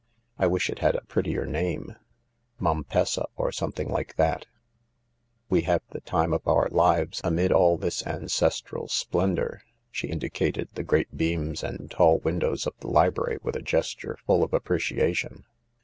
I wish it had a prettier name — Mompessa, or something* like that ; we have the time of our lives amid all this ancestral splendour." She indicated the great beams and tall win dows of the library with a gesture full of appreciation.